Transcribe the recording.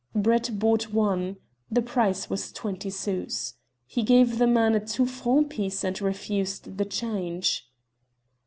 Brett bought one. The price was twenty sous. He gave the man a two franc piece and refused the change.